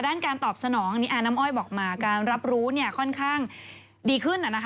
การตอบสนองน้ำอ้อยบอกมาการรับรู้ค่อนข้างดีขึ้น